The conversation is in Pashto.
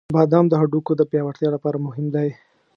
• بادام د هډوکو د پیاوړتیا لپاره مهم دی.